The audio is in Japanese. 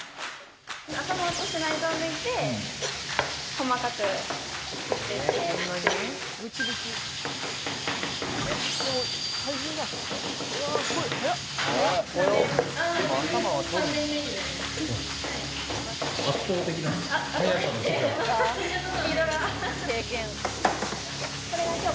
頭を落として内臓を抜いて細かく切っていってという。